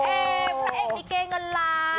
พระเอกลิเกเงินล้าน